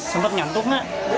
sempat nyantuk nggak